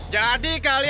kalian semua tih